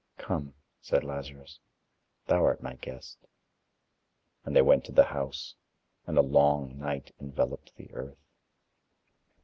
"Come" said Lazarus "Thou art my guest." And they went to the house. And a long night enveloped the earth.